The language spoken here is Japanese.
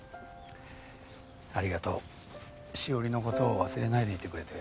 ありがとう史織の事を忘れないでいてくれて。